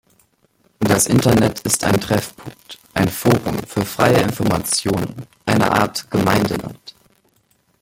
Das Internet ist ein Treffpunkt, ein Forum für freie Informationen, eine Art Gemeindeland.